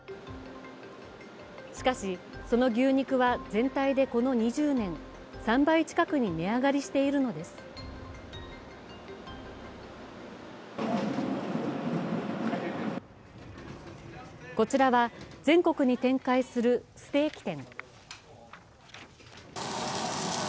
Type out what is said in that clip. しかし、その牛肉は全体でこの２０年３倍近くに値上がりしているのですこちらは全国に展開するステーキ店。